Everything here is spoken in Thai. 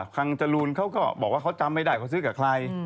จรูนเขาก็บอกว่าเขาจำไม่ได้เขาซื้อกับใคร